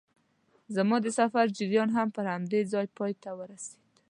زما د سفر جریان هم پر همدې ځای پای ته ورسېد.